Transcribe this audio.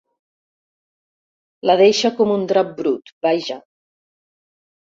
La deixa com un drap brut, vaja.